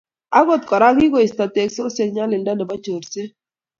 Akot kora, kikoisto teksosiek nyalilda nebo chorset